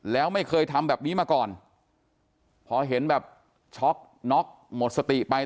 แล้วไม่เคยทำแบบนี้มาก่อนพอเห็นแบบช็อกน็อกหมดสติไป